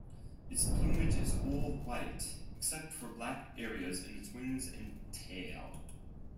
Its plumage is all white except for black areas in its wings and tail.